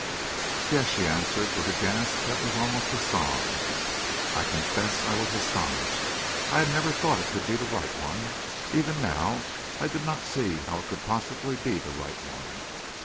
"Yes!" she answered, with a gasp that was almost a sob. I confess I was astonished. I had never thought it could be the right one; even now I did not see how it could possibly be the right one.